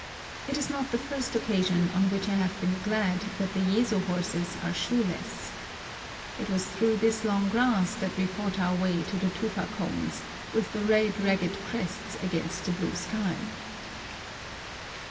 It is not the first occasion on which I have been glad that the Yezo horses are shoeless. It was through this long grass that we fought our way to the tufa cones, with the red ragged crests against the blue sky.